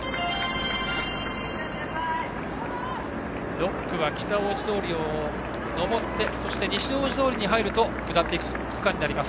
６区は北大路通を上ってそして、西大路通に入ると下っていく区間になります。